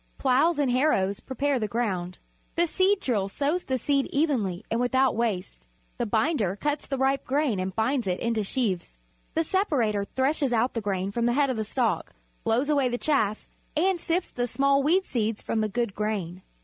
Ploughs and harrows prepare the ground. The seed drill sows the seed evenly and without waste. The binder cuts the ripe grain and binds it into sheaves. The separator threshes out the grain from the head of the stalk, blows away the chaff, and sifts the small weed seeds from the good grain.